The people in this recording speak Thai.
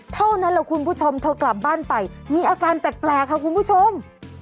เท่านั้นแหละคุณผู้ชมเธอกลับบ้านไปมีอาการแปลกค่ะคุณผู้ชม